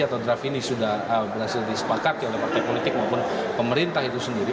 atau draft ini sudah berhasil disepakati oleh partai politik maupun pemerintah itu sendiri